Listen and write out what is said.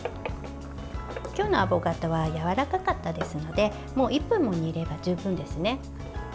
今日のアボカドはやわらかかったですので１分も煮れば十分ですね。